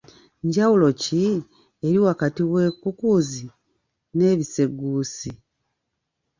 Njawulo ki eri wakati w'ekkukuuzi n'ebisegguusi?